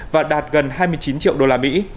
và đạt gần hai mươi chín triệu đô la mỹ